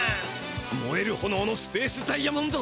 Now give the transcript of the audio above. もえるほのおのスペースダイヤモンド。